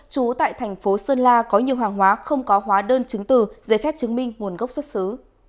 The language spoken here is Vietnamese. trú tại thành phố sơn la có nhiều hàng hóa không có hóa đơn chứng từ giấy phép chứng minh nguồn gốc xuất xứ